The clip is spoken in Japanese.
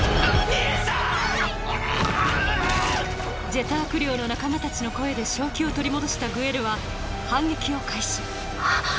ジェターク寮の仲間たちの声で正気を取り戻したグエルは反撃を開始はっ！